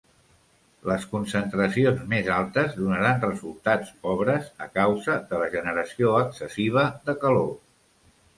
Les concentracions més altes donaran resultats pobres a causa de la generació excessiva de calor.